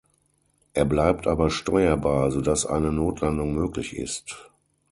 Er bleibt aber steuerbar, sodass eine Notlandung möglich ist.